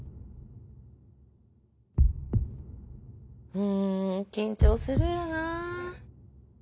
うん緊張するよな。